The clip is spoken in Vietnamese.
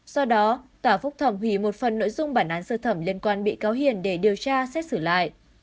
do đó tòa phúc thẩm hủy một phần nội dung bản án sơ thẩm liên quan bị cáo hiền để điều tra xét xử lại